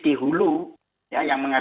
di hulu yang